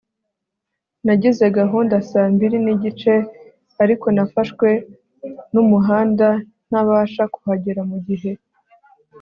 Nagize gahunda saa mbiri nigice ariko nafashwe numuhanda ntabasha kuhagera mugihe